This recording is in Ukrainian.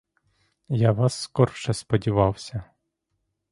Я вас скорше сподівався.